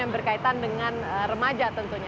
yang berkaitan dengan remaja tentunya